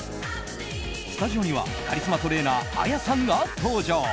スタジオにはカリスマトレーナーＡＹＡさんが登場。